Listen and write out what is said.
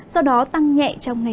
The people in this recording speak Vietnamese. sau đó tăng nhẹ